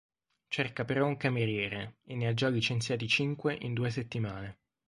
Cerca però un cameriere e ne ha già licenziati cinque in due settimane.